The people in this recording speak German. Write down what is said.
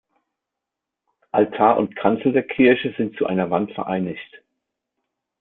Altar und Kanzel der Kirche sind zu einer Wand vereinigt.